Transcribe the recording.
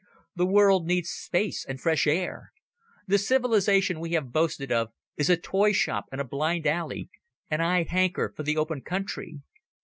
The world needs space and fresh air. The civilization we have boasted of is a toy shop and a blind alley, and I hanker for the open country."